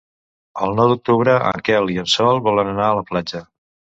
El nou d'octubre en Quel i en Sol volen anar a la platja.